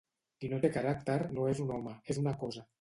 Qui no té caràcter no és un home, és una cosa.